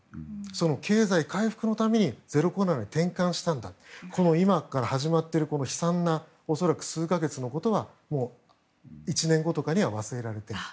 経済回復のためにゼロコロナを転換したんだと今から始まっている悲惨な数か月のことはもう１年後とかには忘れられて。